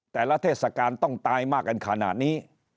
เทศกาลต้องตายมากกันขนาดนี้